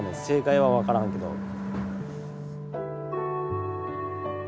正解はわからんけど。